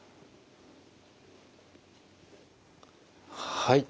はい。